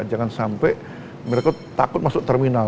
jangan sampai mereka takut masuk terminal